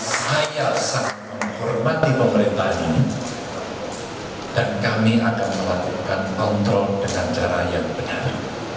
saya sangat menghormati pemerintahan ini dan kami akan melakukan kontrol dengan cara yang benar